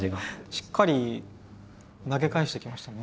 しっかり投げ返してきましたね。